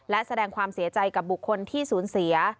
และแสดงความเสียใจกับบุคคลที่สูญเสีย